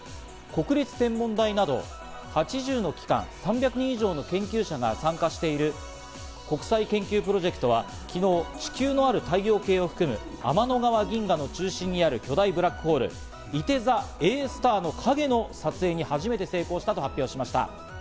国立天文台など８０の機関、３００人以上の研究者が参加している国際研究プロジェクトは、昨日地球のある太陽系を含む天の川銀河の中心にある巨大ブラックホール、いて座Ａ＊の影の撮影に初めて成功したと発表しました。